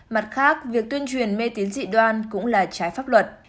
mặt khác việc tuyên truyền mê tín dị đoan cũng là trái pháp luật